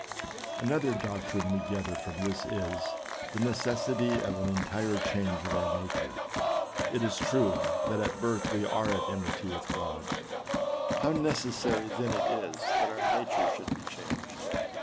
Another doctrine we gather from this is, the necessity of an entire change of our nature. It is true, that by birth we are at enmity with God. How necessary then it is that our nature should be changed